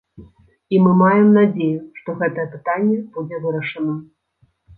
І мы маем надзею, што гэтае пытанне будзе вырашаным.